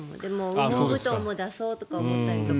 羽毛布団も出そうと思ったりとか。